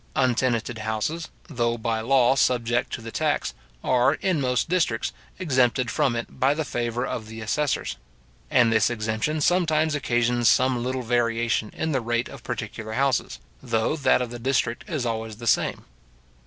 Untenanted houses, though by law subject to the tax, are, in most districts, exempted from it by the favour of the assessors; and this exemption sometimes occasions some little variation in the rate of particular houses, though that of the district is always the same.